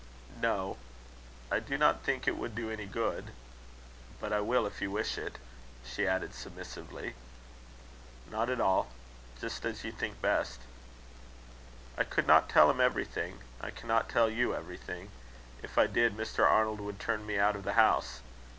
"No. I do not think it would do any good. But I will, if you wish it," she added submissively. "Not at all. Just as you think best." "I could not tell him everything. I cannot tell you everything. If I did, Mr. Arnold would turn me out of the house.